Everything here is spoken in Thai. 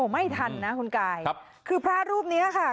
ไม่ทันนะคุณกายคือพระรูปนี้ค่ะ